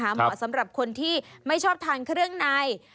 เหมาะสำหรับคนที่ไม่ชอบทานเครื่องใน